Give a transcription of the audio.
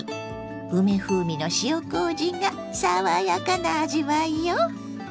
梅風味の塩こうじが爽やかな味わいよ！